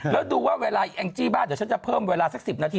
แล้วดูว่าเวลาแองจี้บ้านเดี๋ยวฉันจะเพิ่มเวลาสัก๑๐นาที